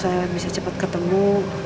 semoga elsa bisa cepat ketemu